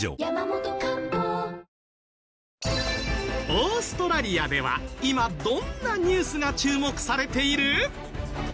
オーストラリアでは今どんなニュースが注目されている？